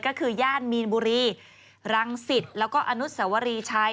ก็คือย่านมีนบุรีรังสิตแล้วก็อนุสวรีชัย